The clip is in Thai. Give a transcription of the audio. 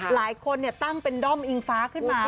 หลายคนตั้งเป็นด้อมอิงฟ้าขึ้นมา